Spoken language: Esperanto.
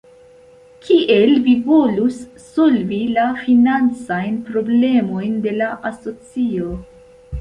Kiel vi volus solvi la financajn problemojn de la asocio?